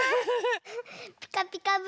「ピカピカブ！」